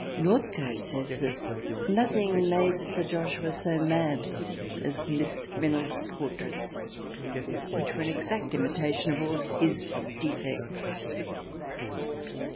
North THRALIANA 7 cote says that nothing made Sir Joshua so mad as Miss Reynold's portraits which were an exact imita tion of all his defects.